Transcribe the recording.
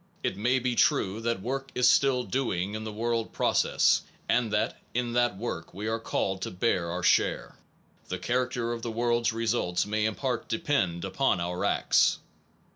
It may be true that work is still doing in the world process, and that in that work we are called to bear our share. The character of the world s results may in part depend upon our acts.